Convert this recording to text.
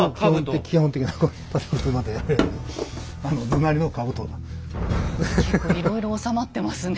基本的な結構いろいろ納まってますね。